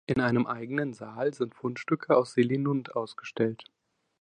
In einem eigenen Saal sind Fundstücke aus Selinunt ausgestellt.